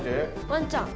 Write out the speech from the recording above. ワンちゃん！